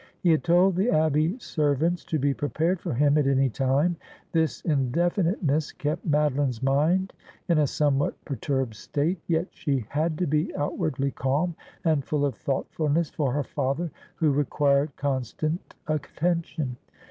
He had told the Abbey servants to be prepared for him at any time. This indefiniteness kept Madoline's mind in a somewhat per turbed state ; yet she had to be outwardly calm, and full of thoughtfulness for her father, who required constant attention.